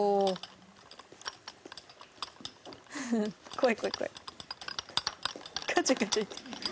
怖い怖い怖い。